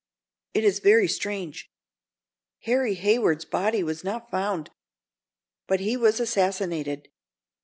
It is very strange. Harry Hayward's body was not found, but he was assassinated.